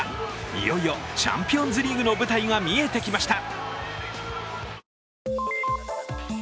いよいよ、チャンピオンズリーグの舞台が見えてきました。